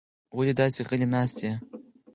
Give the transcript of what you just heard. ولې داسې غلې ناسته یې؟